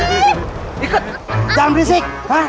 ikut jangan berisik